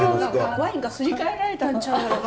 「ワインがすり替えられたんちゃうやろか？」